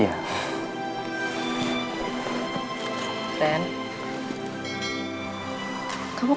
ya pak tidak yang baik